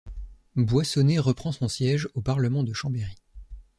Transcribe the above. Boyssonné reprend son siège au Parlement de Chambéry.